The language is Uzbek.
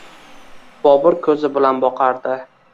Bobur koʻzi bilan boqardi.